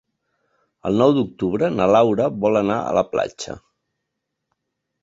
El nou d'octubre na Laura vol anar a la platja.